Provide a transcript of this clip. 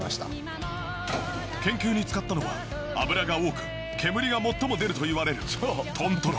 研究に使ったのは脂が多く煙が最も出るといわれる豚トロ。